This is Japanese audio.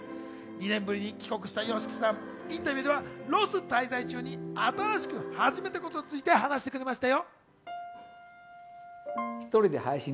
２年ぶりに帰国したＹＯＳＨＩＫＩさん、インタビューではロス滞在中に新しく始めたことについて話してくれましたよ。